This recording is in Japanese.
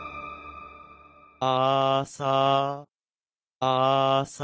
「あさあさ」